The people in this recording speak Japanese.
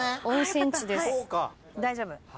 大丈夫。